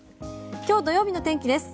今日土曜日の天気です。